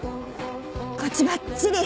こっちばっちり。